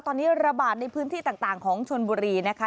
ตอนนี้ระบาดในพื้นที่ต่างของชนบุรีนะคะ